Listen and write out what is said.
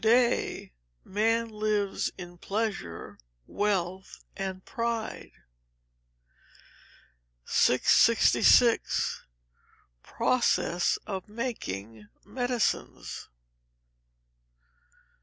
[TO DAY, MAN LIVES IN PLEASURE, WEALTH AND PRIDE.] 666. Process of Making Medicines.